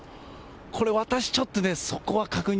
これ、私ちょっとね、そこは確認